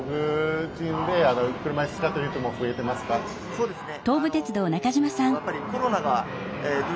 そうですね。